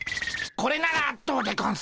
これならどうでゴンス？